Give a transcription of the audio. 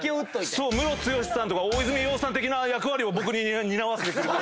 ムロツヨシさんとか大泉洋さん的な役割を僕に担わせてくる。